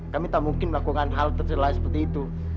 kami tak mungkin melakukan hal tersebut seperti itu